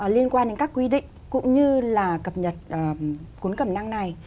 liên quan đến các quy định cũng như là cập nhật cuốn cẩm năng này